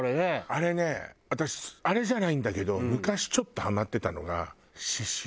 あれね私あれじゃないんだけど昔ちょっとハマってたのが刺繍。